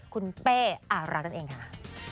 คุณเป้อารักนั่นเองค่ะ